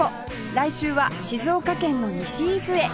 来週は静岡県の西伊豆へ